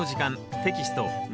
テキスト２